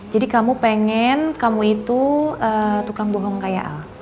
jadi kamu pengen kamu itu tukang bohong kayak al